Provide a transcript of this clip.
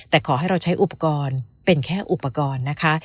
แต่ขอให้เราใช้อุปกรณ์เป็นแค่อุปกรณ์นะคะ